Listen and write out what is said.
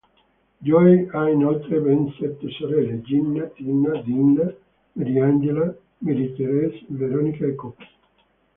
Joey ha inoltre ben sette sorelle: Gina, Tina, Dina, Mary-Angela, Mary-Therese, Veronica e Cookie.